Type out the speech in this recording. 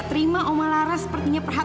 ketika io kita disebilkan